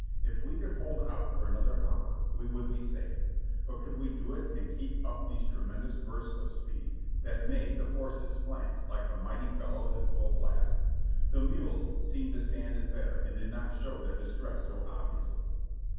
It we could hold out for another hour we w^ould be safe ; but could we do it and keep up these tremen dous bursts of speed that made the horses' flanks like a mighty bellows at full blast? The mules seemed to stand it better and did not show their distress so obviously.